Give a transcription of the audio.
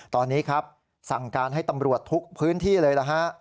ตอนนี้ครับสั่งการให้ตำรวจทุกพื้นที่เลยนะฮะ